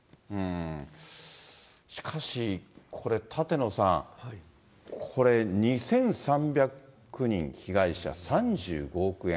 しかし、これ、舘野さん、これ、２３００人、被害者、３５億円。